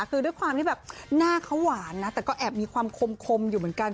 คือด้วยความที่แบบหน้าเขาหวานนะแต่ก็แอบมีความคมอยู่เหมือนกัน